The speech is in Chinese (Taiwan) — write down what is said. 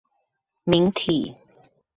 明體